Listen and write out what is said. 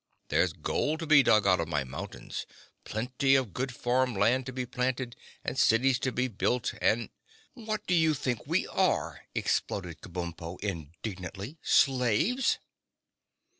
"There's gold to be dug out of my mountains, plenty of good farm land to be planted and cities to be built, and—" "What do you think we are?" exploded Kabumpo indignantly. "Slaves?"